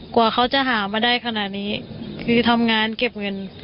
กว่าเขาจะหามาได้ขนาดนี้คือทำงานเก็บเงิน